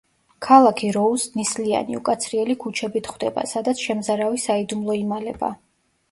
ქალაქი როუზს ნისლიანი, უკაცრიელი ქუჩებით ხვდება, სადაც შემზარავი საიდუმლო იმალება.